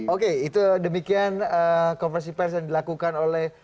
oke itu demikian konversi pers yang dilakukan oleh